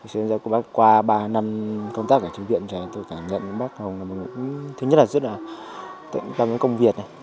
trong ba năm công tác ở trung viện tôi cảm nhận bác hồng rất tận tâm với công việc